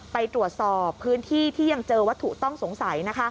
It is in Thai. ไปตรวจสอบพื้นที่ที่ยังเจอวัตถุต้องสงสัย